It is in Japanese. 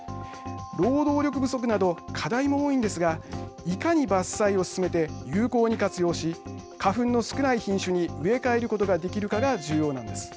労働力不足など課題も多いんですがいかに伐採を進めて有効に活用し花粉の少ない品種に植え替えることができるかが重要なんです。